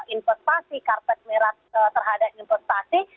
investasi karpet merah terhadap investasi